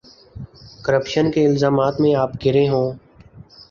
Corruption کے الزامات میں آپ گھرے ہوں۔